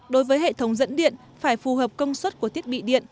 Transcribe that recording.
đối với hệ thống dẫn điện phải phù hợp công suất của thiết bị điện